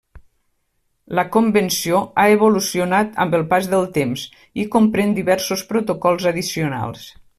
La Convenció ha evolucionat amb el pas del temps i comprèn diversos protocols addicionals.